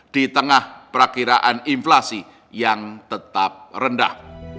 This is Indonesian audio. di tengah perakiraan inflasi yang tetap rendah